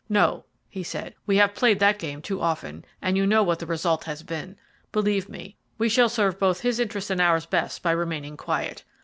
"No," he said, "we have played that game too often, and you know what the result has been. Believe me, we shall serve both his interests and ours best by remaining quiet.